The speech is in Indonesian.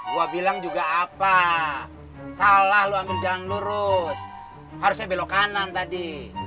gua bilang juga apa salah luang jalan lurus harusnya belok kanan tadi